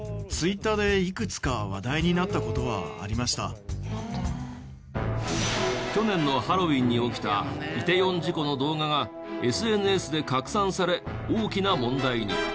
韓国では去年のハロウィーンに起きた梨泰院事故の動画がＳＮＳで拡散され大きな問題に。